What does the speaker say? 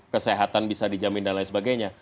kesehatan bisa dijamin dan lain sebagainya